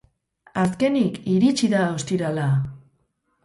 Azkenik, iritsi da ostirala!